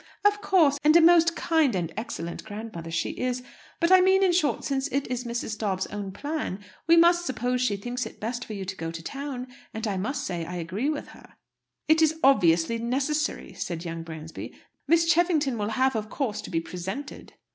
"Of course; and a most kind and excellent grandmother she is. But I mean in short, since it is Mrs. Dobbs's own plan, we must suppose she thinks it best for you to go to town; and I must say I agree with her." "It is obviously necessary," said young Bransby. "Miss Cheffington will have, of course, to be presented."